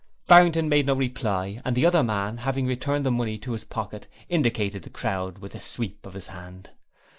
Barrington made no reply and the other man, having returned the money to his pocket, indicated the crowd with a sweep of his hand.